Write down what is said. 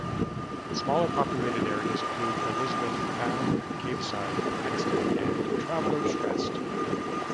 Smaller populated areas include Elizabeth Town, Caveside, Exton and Travellers Rest.